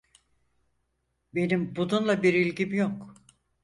Benim bununla bir ilgim yok.